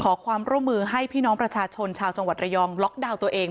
ขอความร่วมมือให้พี่น้องประชาชนชาวจังหวัดระยองล็อกดาวน์ตัวเอง